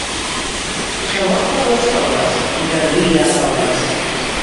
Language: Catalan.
Xaloc per les coves, garbí a arroves.